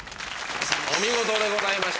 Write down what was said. お見事でございました。